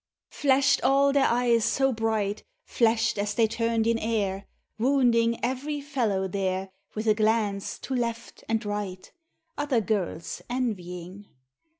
Flash'd all their eyes so bright, . Flash'd as they turned in air. Wounding every fellowf there, With a glance to left and right. Other girls envying.